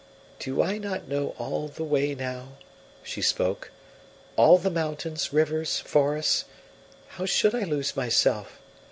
"Do I not know all the way now," she spoke, "all the mountains, rivers, forests how should I lose myself?